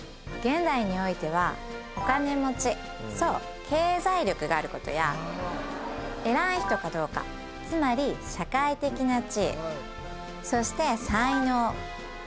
現代においてはお金持ちそう経済力があることや偉い人かどうかつまり社会的な地位そして才能